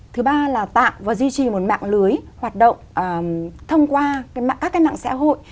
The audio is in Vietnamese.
thứ ba là tạo và duy trì một mạng lưới hoạt động thông qua các cái mạng xã hội